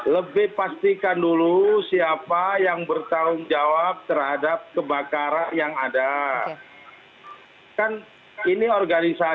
lebih pastikan dulu siapa yang bertanggung jawab terhadap kebakaran yang ada